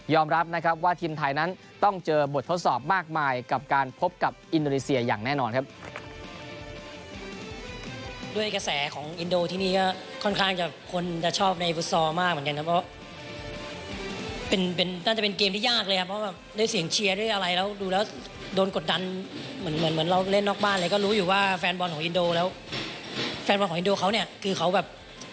รับนะครับว่าทีมไทยนั้นต้องเจอบททดสอบมากมายกับการพบกับอินโดนีเซียอย่างแน่นอนครับ